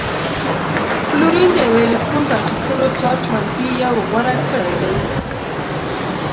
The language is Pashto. کلورین د یوه الکترون په اخیستلو چارج منفي یو غوره کړی دی.